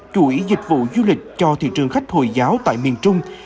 chuỗi dịch vụ du lịch cho thị trường khách hồi giáo tại miền trung